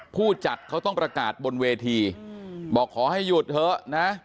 ผู้จัดเขาต้องประกาศบนเวทีบอกขอให้หยุดเถอะนะ